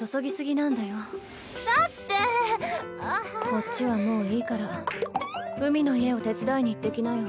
こっちはもういいから海の家を手伝いに行ってきなよ。